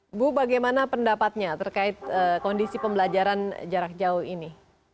ibu bagaimana pendapatnya terkait kondisi pembelajaran jarak jauh ini